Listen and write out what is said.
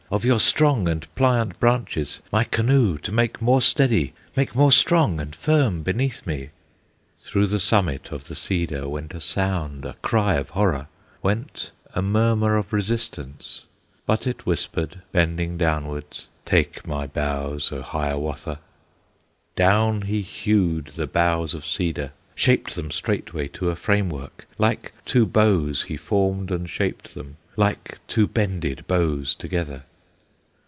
Of your strong and pliant branches, My canoe to make more steady, Make more strong and firm beneath me!" Through the summit of the Cedar Went a sound, a cry of horror, Went a murmur of resistance; But it whispered, bending downward, "Take my boughs, O Hiawatha!" Down he hewed the boughs of cedar, Shaped them straightway to a frame work, Like two bows he formed and shaped them, Like two bended bows together.